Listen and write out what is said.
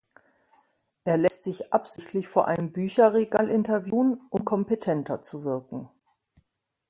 Er lässt sich absichtlich vor einem Bücherregal interviewen, um kompetenter zu wirken.